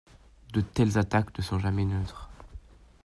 De telles attaques ne sont jamais neutres.